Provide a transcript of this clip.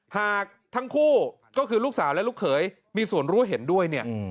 หากทั้งคู่ก็คือลูกสาวและลูกเขยมีส่วนรู้เห็นด้วยเนี่ย